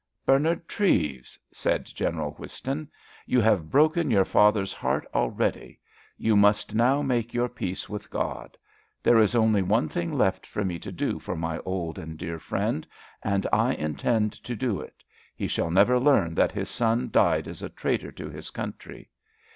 "Bernard Treves," said General Whiston, "you have broken your father's heart already; you must now make your peace with God. There is only one thing left for me to do for my old and dear friend, and I intend to do it—he shall never learn that his son died as a traitor to his country.